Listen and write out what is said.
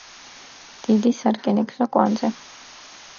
დიდი სარკინიგზო კვანძი.